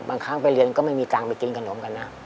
บางครั้งไปเรียนก็ไม่มีการไปกินขนมกันน่ะ